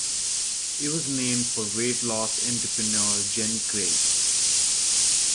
It was named for weight-loss entrepreneur Jenny Craig.